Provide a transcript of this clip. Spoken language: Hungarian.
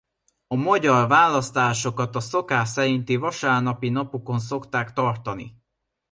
A magyar választásokat a szokás szerint vasárnapi napokon szokták tartani.